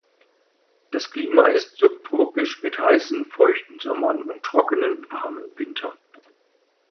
Das Klima ist subtropisch mit heißen, feuchten Sommern und trockenen, warmen Wintern.